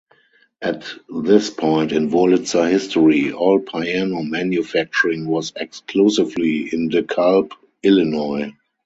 At this point in Wurlitzer history, all piano manufacturing was exclusively in DeKalb, Illinois.